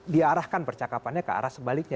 diarahkan percakapannya ke arah sebaliknya